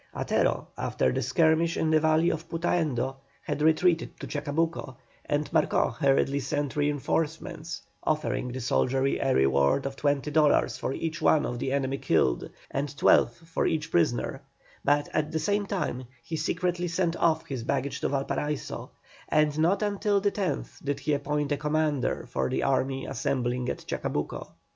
Atero, after the skirmish in the valley of Putaendo, had retreated to Chacabuco, and Marcó hurriedly sent reinforcements, offering the soldiery a reward of twenty dollars for each one of the enemy killed, and twelve for each prisoner; but, at the same time, he secretly sent off his baggage to Valparaiso, and not until the 10th did he appoint a commander for the army assembling at Chacabuco.